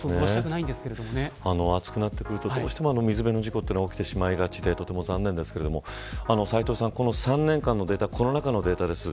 暑くなってくると、どうしても水辺の事故は起きてしまいがちでとても残念ですが斎藤さん、この３年間のデータコロナ禍のデータです。